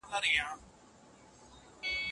موږ ټول افغانان یو.